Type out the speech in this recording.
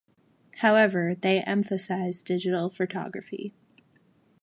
However, they emphasize digital photography.